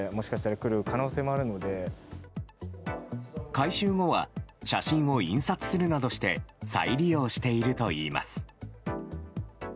回収後は写真を印刷するなどして再利用しているといいます。